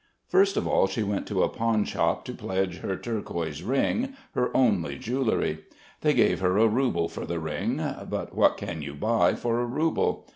First of all, she went to a pawnshop to pledge her turquoise ring, her only jewellery. They gave her a rouble for the ring ... but what can you buy for a rouble?